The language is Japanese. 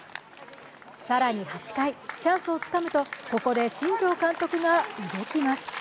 更に８回、チャンスをつかむと、ここで新庄監督が動きます。